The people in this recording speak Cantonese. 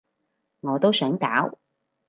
我都想搞